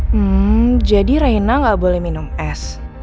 hmm jadi raina gak boleh minum es